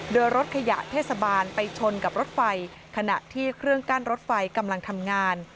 โดยรถขยะเทศบาลไปชนกับรถไฟขณะที่เครื่องกั้นรถไฟกำลังทำงาน